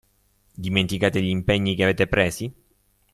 Dimenticate gli impegni che avete presi?